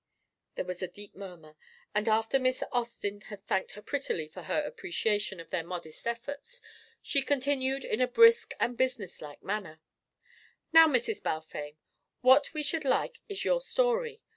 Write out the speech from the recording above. There was a deep murmur, and after Miss Austin had thanked her prettily for her appreciation of their modest efforts, she continued in a brisk and businesslike manner: "Now, Mrs. Balfame, what we should like is your story.